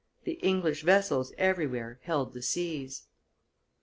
The English vessels everywhere held the seas.